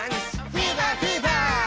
フィーバーフィーバー。